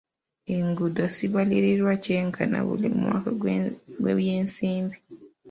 Enguudo zibalirirwa kyenkana buli mwaka gw'ebyensimbi.